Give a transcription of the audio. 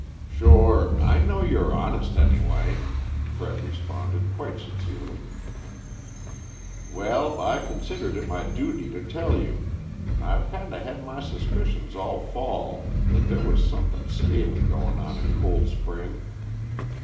"Sure, I know you're honest, anyway," Fred responded quite sincerely. "Well, I considered it my duty to tell you. I've kinda had my suspicions all fall, that there was somethin' scaly goin' on at Cold Spring.